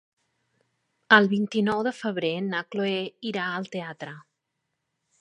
El vint-i-nou de febrer na Chloé irà al teatre.